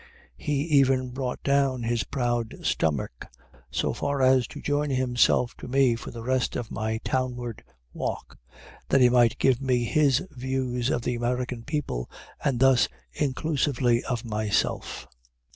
He even brought down his proud stomach so far as to join himself to me for the rest of my townward walk, that he might give me his views of the American people, and thus inclusively of myself.